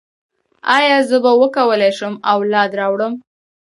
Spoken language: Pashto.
ایا زه به وکولی شم اولاد راوړم؟